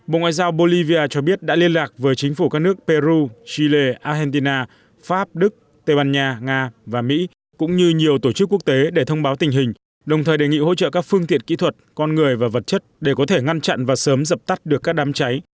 bộ ngoại giao bolivia cho biết đã liên lạc với chính phủ các nước peru chile argentina pháp đức tây ban nha nga và mỹ cũng như nhiều tổ chức quốc tế để thông báo tình hình đồng thời đề nghị hỗ trợ các phương tiện kỹ thuật con người và vật chất để có thể ngăn chặn và sớm dập tắt được các đám cháy